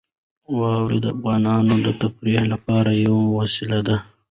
واوره د افغانانو د تفریح لپاره یوه وسیله ده.